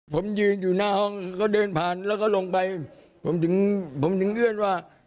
ผมยืนอยู่หน้าห้องเขาเดินผ่านแล้วก็ลงไปผมถึงผมถึงเอื้อนว่า